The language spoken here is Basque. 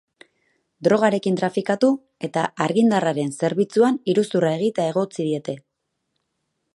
Drogarekin trafikatu eta argindarraren zerbitzuan iruzurra egitea egotzi diete.